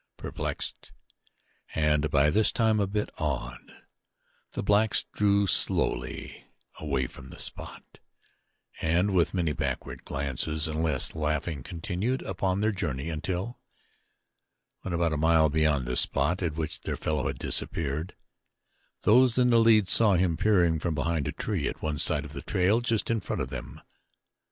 Perplexed, and by this time a bit awed, the blacks drew slowly away from the spot and with many backward glances and less laughing continued upon their journey until, when about a mile beyond the spot at which their fellow had disappeared, those in the lead saw him peering from behind a tree at one side of the trail just in front of them.